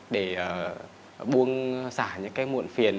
để buông xả những cái muộn phiền